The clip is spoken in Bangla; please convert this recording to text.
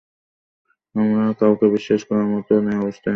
আমরা কাউকেই বিশ্বাস করার মতো অবস্থায় নেই।